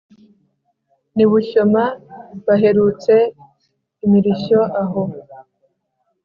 n'i bushyoma baherutse imirishyo aho.